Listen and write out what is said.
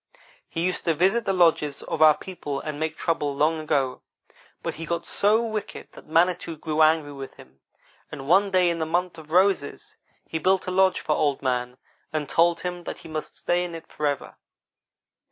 He used to visit the lodges of our people and make trouble long ago, but he got so wicked that Manitou grew angry at him, and one day in the month of roses, he built a lodge for Old man and told him that he must stay in it forever.